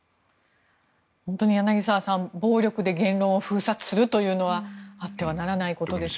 本当に柳澤さん暴力で言論を封殺するというのはあってはならないことですね。